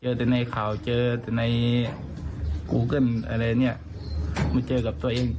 เจอแต่ในข่าวเจอแต่ในกูเกิ้ลอะไรเนี่ยมาเจอกับตัวเอง